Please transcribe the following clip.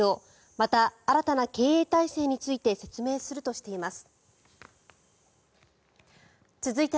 また、新たな経営体制について説明するとしています。